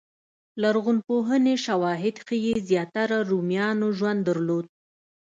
لرغونپوهنې شواهد ښيي زیاتره رومیانو ژوند درلود